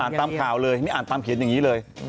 ตามข่าวเลยนี่อ่านตามเขียนอย่างนี้เลย